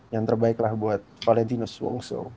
yang terbaik lah buat valentino suongso